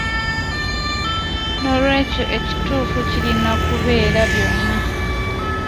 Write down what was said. Noolwekyo ekituufu kirina kubeera byonna.